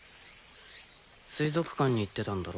水族館に行ってたんだろ。